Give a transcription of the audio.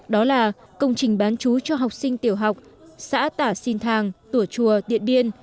đó là công trình bán chú cho học sinh tiểu học xã tả sinh thàng tùa chùa điện biên